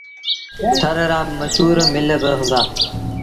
ٿر رآ مشهور مله با هُݩدآ۔